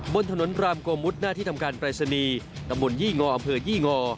บนถนนรามโกมุดหน้าที่ทำการปรายศนีย์ตำบลยี่งออำเภอยี่งอ